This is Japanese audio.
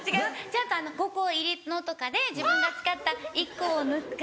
ちゃんと５個入りのとかで自分が使った１個を抜かして。